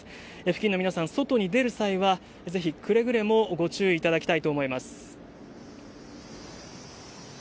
付近の皆さん、外に出る際はくれぐれもご注意いただきたいと思います。